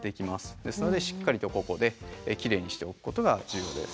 ですのでしっかりとここできれいにしておくことが重要です。